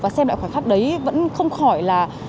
và xem lại khoảnh khắc đấy vẫn không khỏi là